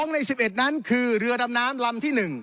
ใน๑๑นั้นคือเรือดำน้ำลำที่๑